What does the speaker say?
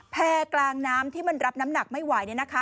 แพร่กลางน้ำที่มันรับน้ำหนักไม่ไหว